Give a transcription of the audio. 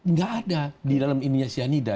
nggak ada di dalam ininya si anida